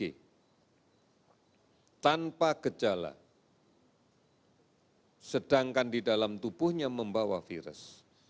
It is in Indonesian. tanpa gejala sedangkan di dalam tubuhnya membawa virus